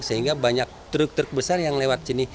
sehingga banyak truk truk besar yang lewat sini